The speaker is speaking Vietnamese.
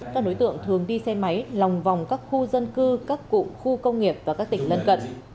các đối tượng thường đi xe máy lòng vòng các khu dân cư các cụ khu công nghiệp và các tỉnh lân cận